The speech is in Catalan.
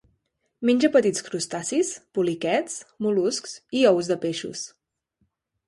Menja petits crustacis, poliquets, mol·luscs i ous de peixos.